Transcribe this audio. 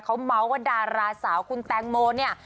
เขาเบาะว่าดาราสาวคุณแตงโมแล้วเนี่ย